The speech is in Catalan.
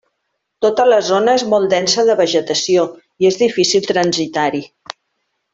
Tota la zona és molt densa de vegetació i és difícil transitar-hi.